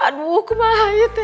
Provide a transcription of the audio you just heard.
aduh kumahit ya